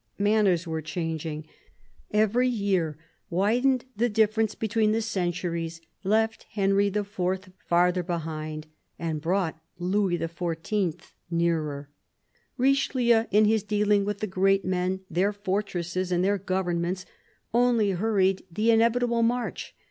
Manners were changing. Every year widened the difference between the centuries, left Henry IV. farther behind and brought Louis XIV. nearer. RicheUeu, in his dealing with the great men, their fortresses and their governments, only hurried the inevitable march.